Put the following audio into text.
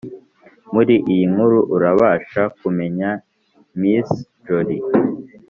muri iyi nkuru, urabasha kumenya miss jolly